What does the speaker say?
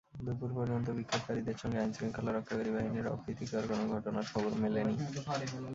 দুপুর পর্যন্ত বিক্ষোভকারীদের সঙ্গে আইনশৃঙ্খলা রক্ষাকারী বাহিনীর অপ্রীতিকর কোনো ঘটনার খবর মেলেনি।